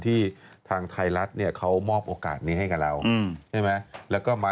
ที่ทางไทยรัฐเขามอบโอกาสนี้ให้กับเรา